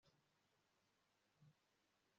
uburezi bw'abana b'ibitsina byombi